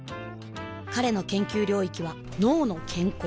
彼の研究領域は「脳の健康」